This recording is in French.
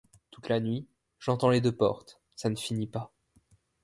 Toute la nuit, j’entends les deux portes, ça ne finit pas...